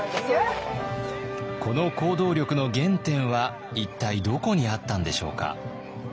この行動力の原点は一体どこにあったんでしょうか。